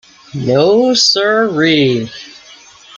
No-sir-ee.